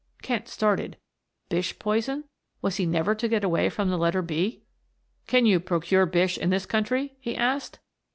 Kent started Bish poison was he never to get away from the letter "B"? "Can you procure Bish in this country?" he asked.